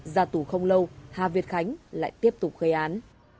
ra tủ không lâu hà việt khánh lại tiếp tục khai án